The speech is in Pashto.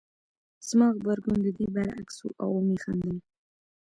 زما غبرګون د دې برعکس و او ومې خندل